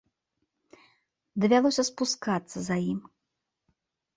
Давялося спускацца за ім.